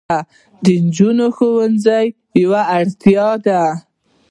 د نجونو ښوونځي یوه اړتیا ده.